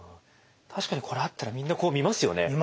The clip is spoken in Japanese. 確かにこれあったらみんなこう見ますよね。